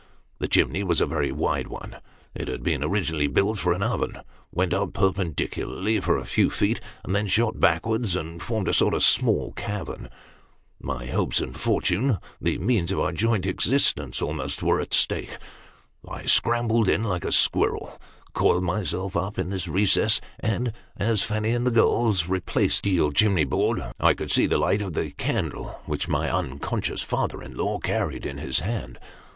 The chimney was a very wide one ; it had been originally built for an oven ; went tip perpendicularly for a few feet, and then shot backward and formed a sort of small cavern. My hopes and fortune the means 336 Sketches by Boz. of our joint existence almost were at stake. I scrambled in like a squirrel ; coiled myself up in this recess ; and, as Fanny and the girl replaced the deal chimney board, I could see the light of the candle which my unconscious father in law carried in his hand.